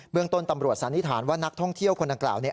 เบื้องต้นตำรวจสานิฐานว่านักท่องเที่ยวคนนั้นกล่าว